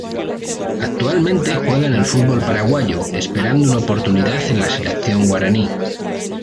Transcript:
Actualmente juega en el fútbol paraguayo esperando una oportunidad en la Selección guaraní.